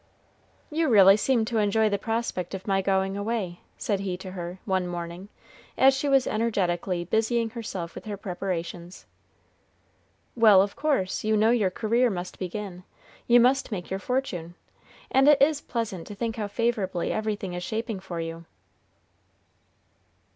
"You really seem to enjoy the prospect of my going away," said he to her, one morning, as she was energetically busying herself with her preparations. "Well, of course; you know your career must begin. You must make your fortune; and it is pleasant to think how favorably everything is shaping for you."